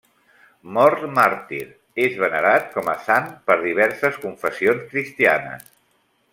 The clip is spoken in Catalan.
Mort màrtir, és venerat com a sant per diverses confessions cristianes.